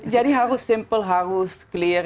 jadi harus simpel harus clear